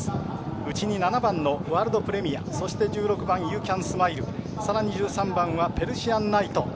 内に７番ワールドプレミアそして１６番ユーキャンスマイルさらに１３番はペルシアンナイト。